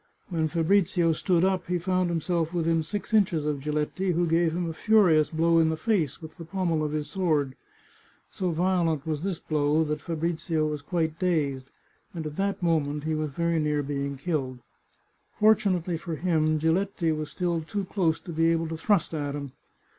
When Fabrizio stood up he found himself within six inches of Giletti, who gave him a furious blow in the face with the pommel of his sword. So violent was this blow that Fa brizio was quite dazed, and at that moment he was very near being killed. Fortunately for him, Giletti was still too close to be able to thrust at him.